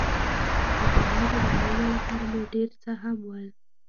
خو همالته د کولو لپاره نور ډېر څه هم ول.